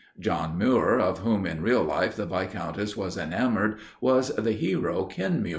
John Muir, of whom in real life the Viscountess was enamored, was the hero, "Kenmuir."